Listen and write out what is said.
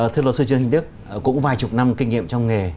thưa luật sư trương hình đức cũng vài chục năm kinh nghiệm trong nghề